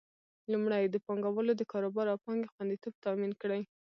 لومړی: د پانګوالو د کاروبار او پانګې خوندیتوب تامین کړي.